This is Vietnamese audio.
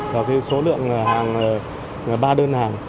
và số lượng hàng là ba đơn hàng